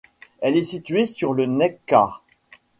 Elle est située sur le Neckar.